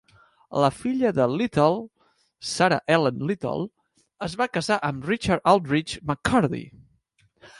La filla de Little, Sarah Ellen Little, es va casar amb Richard Aldrich McCurdy.